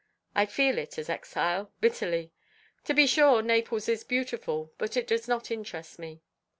I feel it as exile, bitterly. To be sure Naples is beautiful, but it does not interest me.